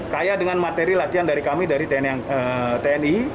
kaya dengan materi latihan dari kami dari tni